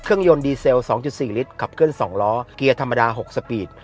ยนต์ดีเซล๒๔ลิตรขับเคลื่อน๒ล้อเกียร์ธรรมดา๖สปีด